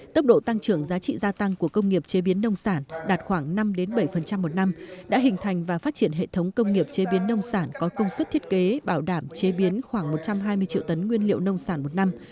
tốc độ tăng trưởng giá trị gia tăng của công nghiệp chế biến nông sản đạt khoảng năm bảy một năm đã hình thành và phát triển hệ thống công nghiệp chế biến nông sản có công suất thiết kế bảo đảm chế biến khoảng một trăm hai mươi triệu tấn nguyên liệu nông sản một năm